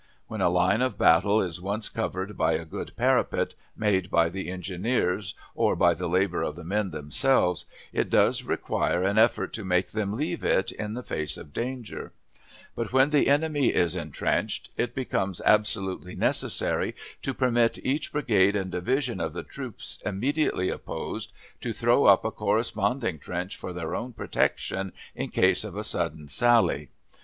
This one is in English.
When a line of battle is once covered by a good parapet, made by the engineers or by the labor of the men themselves, it does require an effort to make them leave it in the face of danger; but when the enemy is intrenched, it becomes absolutely necessary to permit each brigade and division of the troops immediately opposed to throw up a corresponding trench for their own protection in case of a sudden sally.